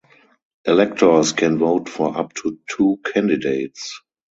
Electors can vote for up to two candidates.